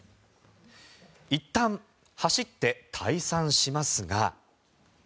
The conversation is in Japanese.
いったん走って退散しますが。